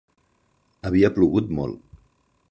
Havia plogut molt.